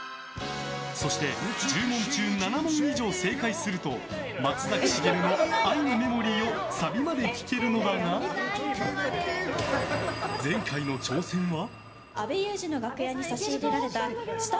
そして１０問中７問以上正解すると松崎しげるの「愛のメモリー」をサビまで聴けるのだが前回の挑戦は。